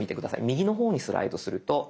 右の方にスライドすると。